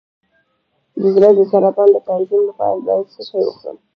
د زړه د ضربان د تنظیم لپاره باید څه شی وخورم؟